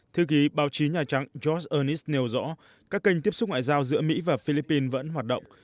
thư ký báo chí nhà trắng johns ernis nêu rõ các kênh tiếp xúc ngoại giao giữa mỹ và philippines vẫn hoạt động